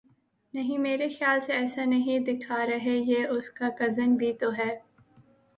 نہیں میرے خیال سے ایسا نہیں دکھا رہے یہ اس کا کزن بھی تو ہے